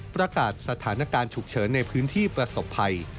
ประกาศสถานการณ์ฉุกเฉินในพื้นที่ประสบภัย